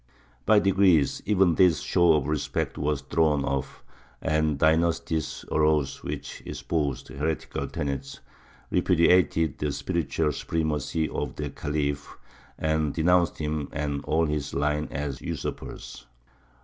By degrees even this show of respect was thrown off, and dynasties arose which espoused heretical tenets, repudiated the spiritual supremacy of the Khalif, and denounced him and all his line as usurpers.